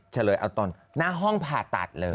เฉลยเอาตอนหน้าห้องผ่าตัดเลย